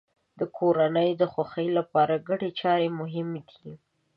د کورنۍ د خوښۍ لپاره ګډې چارې مهمې دي.